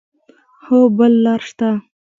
هو، بل لار شته